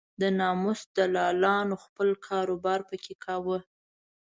د ناموس دلالانو خپل کار و بار په کې کاوه.